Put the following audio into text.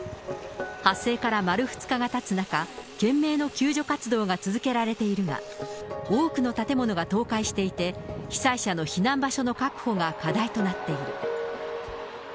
発生から丸２日がたつ中、懸命の救助活動が続けられているが、多くの建物が倒壊していて、被災者の避難場所の確保が課題となっている。